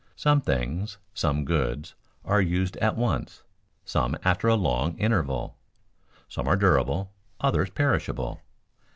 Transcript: Some things, some goods, are used at once, some after a long interval; some are durable, others perishable.